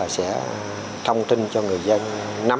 sẽ thông tin cho các em